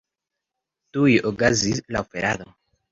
Tuj okazis la oferado.